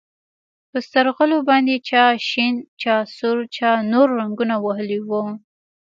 په سترغلو باندې چا شين چا سور چا نور رنګونه وهلي وو.